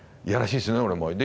いやらしいですよね俺も。